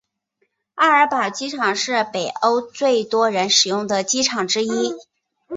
奥尔堡机场是北欧最多人使用的机场之一。